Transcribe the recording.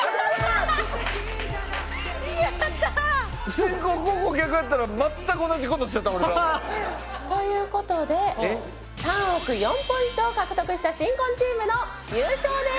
先攻後攻逆やったら全く同じ事してた俺らも。という事で３億４ポイントを獲得した新婚チームの優勝です！